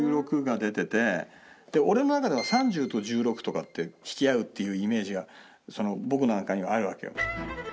で俺の中では３０と１６とかって引き合うっていうイメージが僕の中にはあるわけよ。